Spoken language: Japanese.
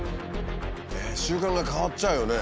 習慣が変わっちゃうよね。